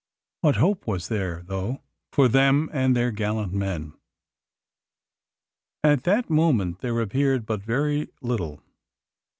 What hope was there though for them and their gallant men? At that moment there appeared but very little.